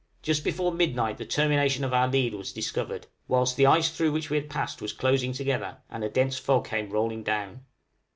Just before midnight the termination of our lead was discovered, whilst the ice through which we had passed was closing together, and a dense fog came rolling down.